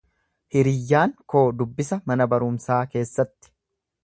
Hiriyyaan koo dubbisa mana barumsaa keessatti.